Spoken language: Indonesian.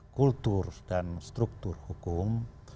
kultur dan struktur hukum